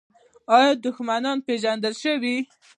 آیا دښمنان پیژندل شوي؟